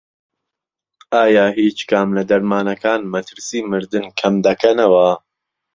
ئایا هیچ کام لە دەرمانەکان مەترسی مردن کەمدەکەنەوە؟